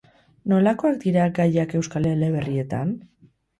Nolakoak dira gayak euskal eleberrietan?